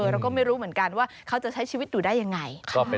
เราก็ไม่รู้เหมือนกันว่าเขาจะใช้ชีวิตอยู่ได้ยังไง